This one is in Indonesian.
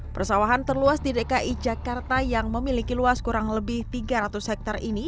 persawahan terluas di dki jakarta yang memiliki luas kurang lebih tiga ratus hektare ini